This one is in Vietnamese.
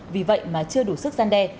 vì vậy mà chưa đủ sức gian đe